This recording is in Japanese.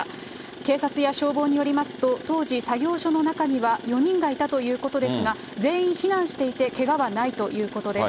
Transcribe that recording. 警察や消防によりますと、当時作業所の中には４人がいたということですが、全員避難していて、けがはないということです。